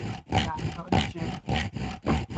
رفتار جلف